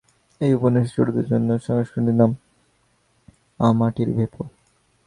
এই উপন্যাসের ছোটদের জন্য সংস্করনটির নাম আম আঁটির ভেঁপু।